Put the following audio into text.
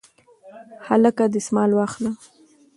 هلکه دستمال واخله